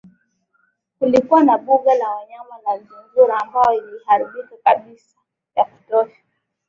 kulikuwa na mbuga la wanyama la zirunga ambao iliharibika kabisa ya kutosha